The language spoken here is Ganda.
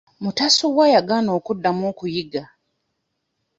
Mutasubwa yagaana okuddamu okuyigga.